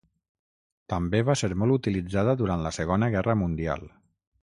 També va ser molt utilitzada durant la Segona Guerra Mundial.